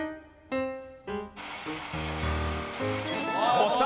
押した！